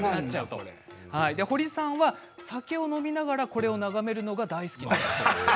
堀さんは酒を飲みながらこれを眺めるのが大好きだそうです。